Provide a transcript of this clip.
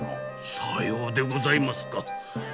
さようでございますか。